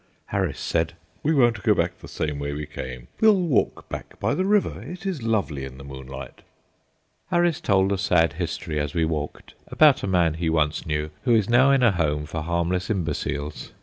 Harris said: "We won't go back the same way we came; we'll walk back by the river. It is lovely in the moonlight." Harris told a sad history, as we walked, about a man he once knew, who is now in a home for harmless imbeciles.